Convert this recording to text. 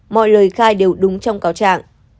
mọi lời khai đều đúng trong cao trạng